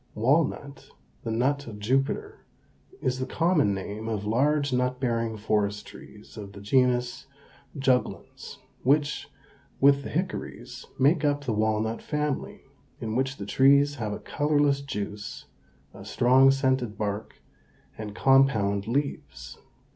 Walnut (the nut of Jupiter) is the common name of large nut bearing forest trees of the genus Juglans, which, with the hickories, make up the walnut family, in which the trees have a colorless juice, a strong scented bark, and compound leaves.